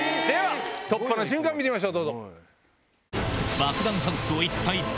⁉突破の瞬間見てみましょう。